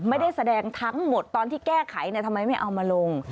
ไม่ได้แสดงทั้งหมดตอนที่แก้ไขทำไมไม่เอามาลง